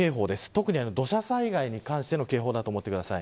特に土砂災害に関しての警報だと思ってください。